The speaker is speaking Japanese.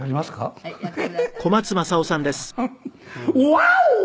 「ワオ！